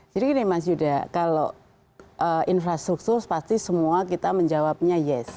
jadi gini mas yuda kalau infrastruktur pasti semua kita menjawabnya yes